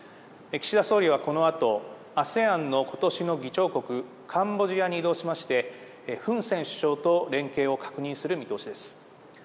岸田総理はこのあと、ＡＳＥＡＮのことしの議長国、カンボジアに移動しまして、フン・セン首相と連携を確認する見通しです。